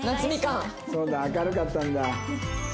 そうだ明るかったんだ。